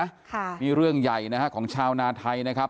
ค่ะนี่เรื่องใหญ่นะฮะของชาวนาไทยนะครับ